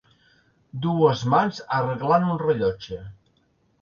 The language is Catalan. Dues mans arreglant un rellotge.